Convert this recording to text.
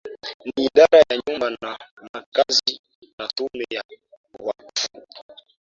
Ni idara ya Nyumba na Makazi na Tume ya Waqfu